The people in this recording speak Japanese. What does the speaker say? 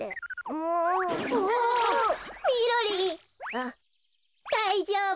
あっだいじょうぶ。